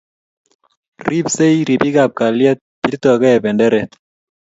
Ribsei ripikab kalyet, birtokei benderet